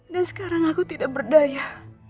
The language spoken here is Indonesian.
dan sekarang aku tidak berdaya